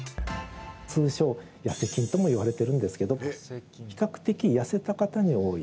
通称、やせ菌ともいわれてるんですけど比較的、やせた方に多い。